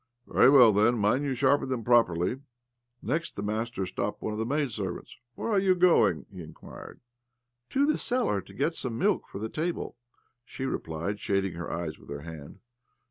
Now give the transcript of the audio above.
" Very well, then. Mind you sharpen them properly." 9б OBLOMOV Next, the master stopped one of the maid servants. " Where are you. going? " he inquired. " To the cellar to get some milk for the table," she replied, shading her eyes with her hand.